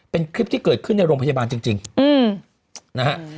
เป็นคลิปที่เกิดขึ้นในโรงพยาบาลจริงนะฮะ